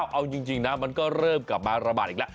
เอาจริงนะมันก็เริ่มกลับมาระบาดอีกแล้ว